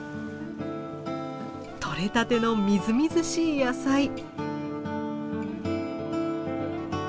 とれたてのみずみずしい野菜！